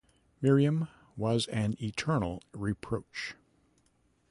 Miriam was an eternal reproach.